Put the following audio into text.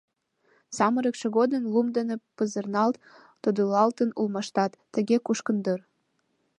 Самырыкше годым лум дене пызырналт тодылалтын улмашат, тыге кушкын дыр.